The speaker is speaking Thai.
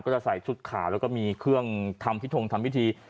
จะใส่ชุดขาวแล้วก็มีเครื่องทำพิทงทำพิธี